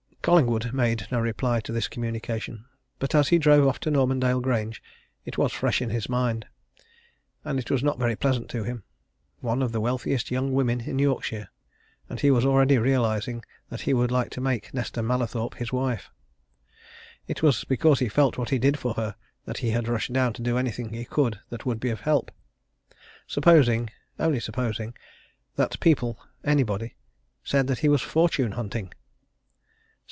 Collingwood made no reply to this communication. But as he drove off to Normandale Grange, it was fresh in his mind. And it was not very pleasant to him. One of the wealthiest young women in Yorkshire! and he was already realizing that he would like to make Nesta Mallathorpe his wife: it was because he felt what he did for her that he had rushed down to do anything he could that would be of help. Supposing only supposing that people anybody said that he was fortune hunting!